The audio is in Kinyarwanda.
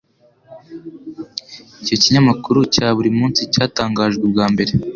Icyo Ikinyamakuru cya buri munsi cyatangajwe bwa mbere